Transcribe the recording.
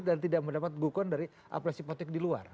dan tidak mendapat guguran dari aplikasi politik di luar